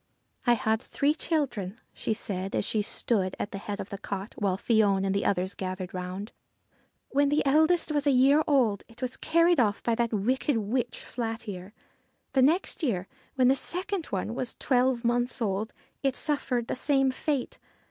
' I had three children,' she said as she stood at the head of the cot, while Fion and the others gathered round. ' When the eldest was a year old it was carried off by that wicked witch, Flat Ear. The next year, when the second one was twelve months old, it suffered the same fate.